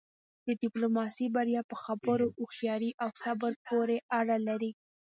د ډیپلوماسی بریا په خبرو، هوښیارۍ او صبر پورې اړه لری.